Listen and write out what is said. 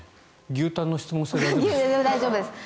牛タンの質問して大丈夫ですか？